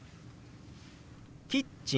「キッチン」。